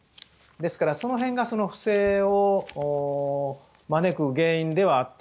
その辺が不正を招く原因ではあった。